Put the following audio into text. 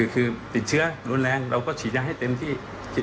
คือติดเชื้อรุนแรงเราก็ฉีดยาให้เต็มที่